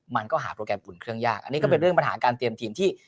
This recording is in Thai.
มันก็หาโปรแกรมอุ่นเครื่องยากอันนี้ก็เป็นเรื่องปัญหาการเตรียมทีมที่